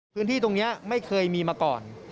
พื้นที่ตรงนี้ไม่เคยมีมาก่อน